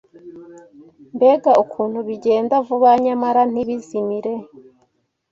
mbega ukuntu bigenda vuba, nyamara ntibizimire!